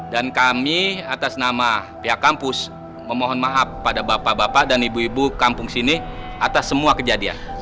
dan kami atas nama pihak kampus memohon maaf pada bapak bapak dan ibu ibu kampung sini atas semua kejadian